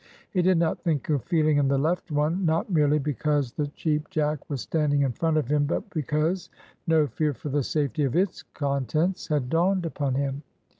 He did not think of feeling in the left one, not merely because the Cheap Jack was standing in front of him, but because no fear for the safety of its contents had dawned upon him.